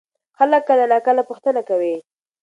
خلک کله ناکله پوښتنه کوي.